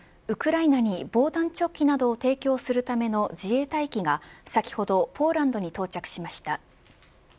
ウクライナに防弾チョッキなどを提供するための自衛隊機が先ほどポーランドに到着しました。